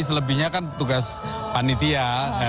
selebihnya kan tugas panitia